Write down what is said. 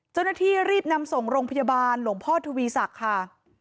เจ้าหน้าที่รีบนำส่งโรงพยาบาลหลวงพ่อทวีศักดิ์ค่ะ